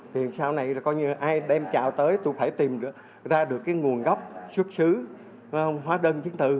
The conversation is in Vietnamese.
thì sau này coi như ai đem chào tới tôi phải tìm ra được cái nguồn gốc xuất xứ hóa đơn chính từ